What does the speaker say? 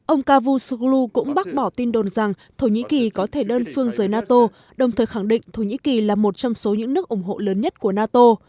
ông cavusu cũng bác bỏ tin đồn rằng thổ nhĩ kỳ có thể đơn phương rời nato đồng thời khẳng định thổ nhĩ kỳ là một trong số những nước ủng hộ lớn nhất của nato